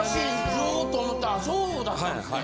ずっと思ったらそうだったんですね。